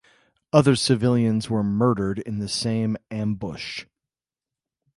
Other civilians were murdered in the same ambush.